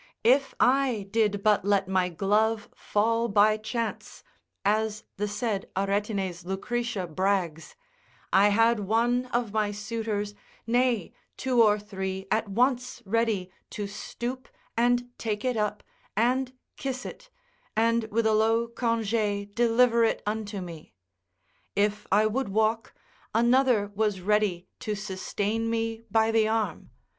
If I did but let my glove fall by chance, (as the said Aretine's Lucretia brags,) I had one of my suitors, nay two or three at once ready to stoop and take it up, and kiss it, and with a low conge deliver it unto me; if I would walk, another was ready to sustain me by the arm.